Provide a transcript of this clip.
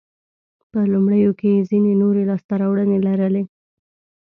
په لومړیو کې یې ځیني نورې لاسته راوړنې لرلې.